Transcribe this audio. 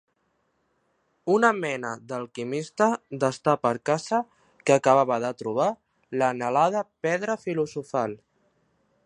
Una mena d'alquimista d'estar per casa que acabava de trobar l'anhelada pedra filosofal.